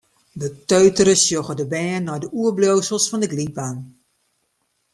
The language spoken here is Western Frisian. Beteutere sjogge de bern nei de oerbliuwsels fan de glydbaan.